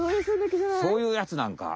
そういうやつなんか。